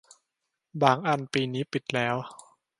บางอันปีนี้ปิดแล้ว